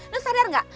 lo sadar gak